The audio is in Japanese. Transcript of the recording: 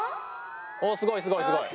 おすごいすごいすごい。